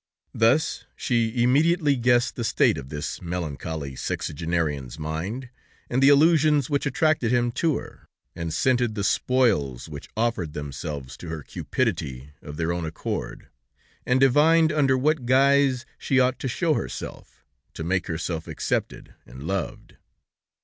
Thus she immediately guessed the state of this melancholy sexagenarian's mind, and the illusions which attracted him to her, and scented the spoils which offered themselves to her cupidity of their own accord, and divined under what guise she ought to show herself, to make herself accepted and loved.